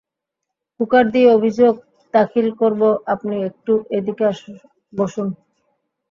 Cooker দিয়ে অভিযোগ দাখিল করবো আপনি একটু এইদিকে বসুন।